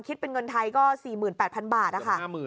คิดเป็นเงินไทยก็๔๘๐๐๐บาทนะคะ